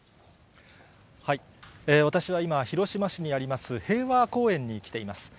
私は今、広島市にあります平和公園に来ています。